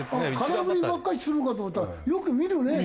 空振りばっかりするかと思ったらよく見るよね